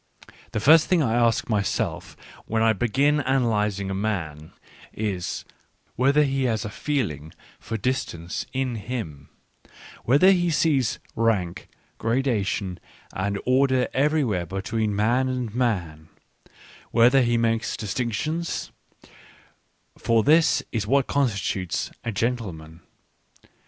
The first thing I ask my self when I begin analysing a man, is, whether he has a feeling for distance in him ; whether he sees rank, gradation, and order everywhere between man and man ; whether he makes distinctions ; for this is what constitutes a gentleman.